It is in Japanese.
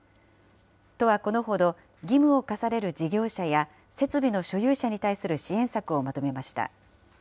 都はこのほど、義務を課される事業者や、設備の所有者に対する支援策をまとめました。